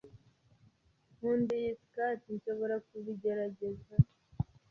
Nkunda iyi skirt. Nshobora kubigerageza?